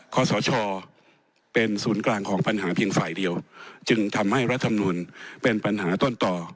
ขอสชเป็นศูนย์กลางของปัญหาเพียงฝ่ายเดียวจึงทำให้รัฐมนุนเป็นปัญหาต้นต่อ